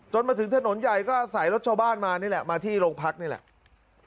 มาถึงถนนใหญ่ก็ใส่รถชาวบ้านมานี่แหละมาที่โรงพักนี่แหละ